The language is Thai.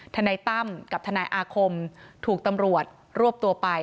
ทนายตั้มกับทนายอาคมถูกตำรวจรวบตัวไป